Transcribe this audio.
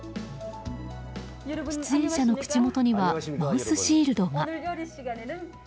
出演者の口元にはマウスシールドが。